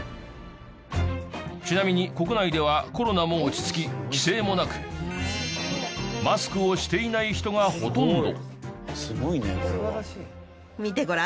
ちなみに国内ではコロナも落ち着き規制もなくマスクをしていない人がほとんど。